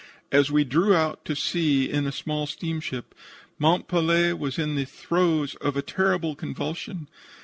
As we drew out to sea in the small steamship, Mont Pelee was in the throes of a terrible convulsion.